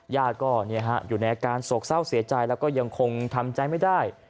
ญาติก็อยู่ในอาการโศกเศร้าเสียใจแล้วก็ยังคงทำใจไม่ได้